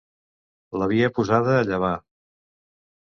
L'havia posada a llavar.